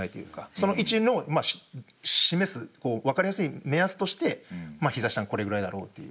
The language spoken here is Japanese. その位置の示す分かりやすい目安として膝下のこれぐらいだろうっていう。